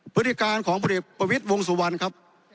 พฤติการของพลเอกประวิทย์วงสุวรรณครับ